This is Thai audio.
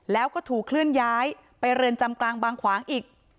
แล้วก็ถูกเคลื่อนย้ายไปเรือนจำกลางบางขวางอีก